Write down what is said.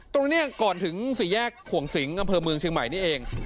ตรงนี้ก่อนถึงสี่แยกขวงสิงอำเภอเมืองเชียงใหม่นี่เอง